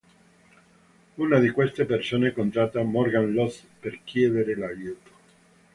Una di queste persone contatta Morgan Lost per chiedere aiuto.